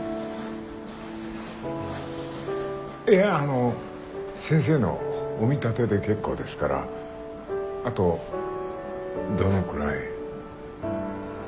いやあの先生のお見立てで結構ですからあとどのくらい。